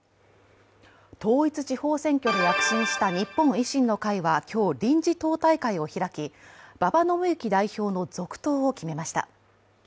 統一地方選挙で躍進した日本維新の会は今日、臨時党大会を開き、馬場伸幸代表の続投を決めました。